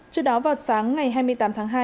trước đó vào sáng ngày hai mươi tám tháng hai